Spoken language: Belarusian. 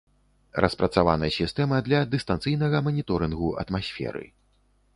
Распрацавана сістэма для дыстанцыйнага маніторынгу атмасферы.